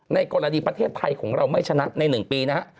ในกรณีประเทศไทยของเราไม่ชนะใน๑ปีนะฮะ